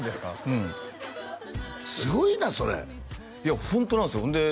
うんすごいなそれいやホントなんですよで